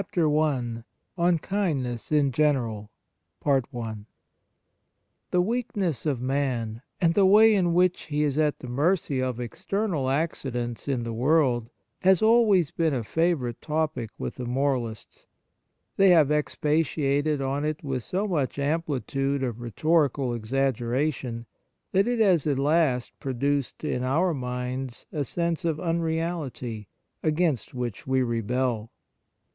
KINDNESS ON KINDNESS IN GENERAL The weakness of man, and the way in which he is at the mercy of external acci dents in the world, has always been a favourite topic with the moralists. They have expatiated on it with so much ampli tude of rhetorical exaggeration, that it has at last produced in our minds a sense of unreality, against which we rebel.